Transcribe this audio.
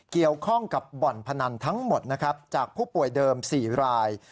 เกี่ยวข้องกับบ่อนพนันทั้งหมดนะครับจากผู้ป่วยเดิม๔ราย